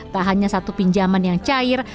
tak hanya satu pinjaman yang cair